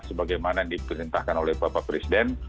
sebagaimana diperintahkan oleh bapak presiden